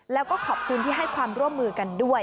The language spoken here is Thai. แล้วก็ขอบคุณที่ให้ความร่วมมือกันด้วย